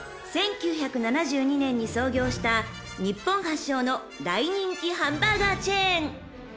［１９７２年に創業した日本発祥の大人気ハンバーガーチェーン］